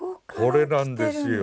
これなんですよ。